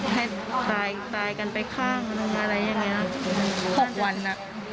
ให้ตายกันไปข้างอะไรอย่างนี้นะ